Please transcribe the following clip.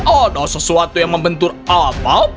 ada sesuatu yang membentuk apa